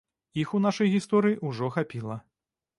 Іх у нашай гісторыі ўжо хапіла.